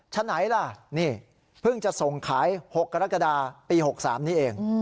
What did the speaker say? ฉะไหนล่ะนี่เพิ่งจะส่งขาย๖กรกฎาปี๖๓นี้เอง